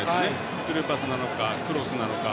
スルーパスなのかクロスなのか。